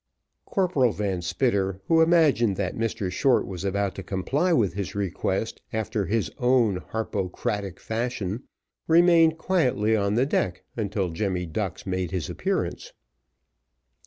Corporal Van Spitter, who imagined that Mr Short was about to comply with his request after his own Harpocratic fashion, remained quietly on the deck until Jemmy Ducks made his appearance.